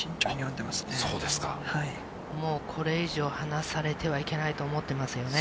もうこれ以上離されてはいけないと思ってますよね。